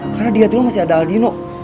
karena di hati lo masih ada aldino